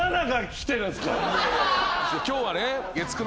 今日はね。